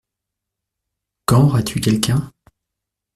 Quand auras-tu quelqu’un ?